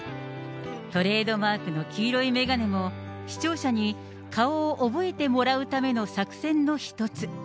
トレードマークの黄色い眼鏡も、視聴者に顔を覚えてもらうための作戦の一つ。